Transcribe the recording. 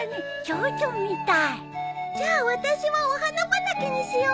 じゃあ私はお花畑にしようかな。